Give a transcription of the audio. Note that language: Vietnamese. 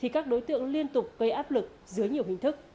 các đối tượng liên tục gây áp lực dưới nhiều hình thức